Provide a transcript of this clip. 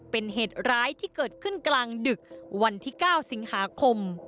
เป็นเหตุร้ายที่เกิดขึ้นกลางดึกวันที่๙สิงหาคม